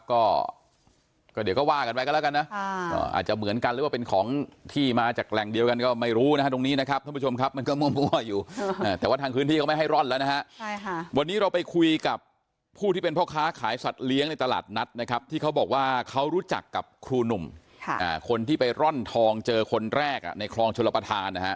ก็ก็เดี๋ยวก็ว่ากันไว้กันแล้วกันนะอาจจะเหมือนกันหรือว่าเป็นของที่มาจากแหล่งเดียวกันก็ไม่รู้นะฮะตรงนี้นะครับท่านผู้ชมครับมันก็มั่วอยู่แต่ว่าทางพื้นที่เขาไม่ให้ร่อนแล้วนะฮะใช่ค่ะวันนี้เราไปคุยกับผู้ที่เป็นพ่อค้าขายสัตว์เลี้ยงในตลาดนัดนะครับที่เขาบอกว่าเขารู้จักกับครูหนุ่มคนที่ไปร่อนทองเจอคนแรกในคลองชลประธานนะฮะ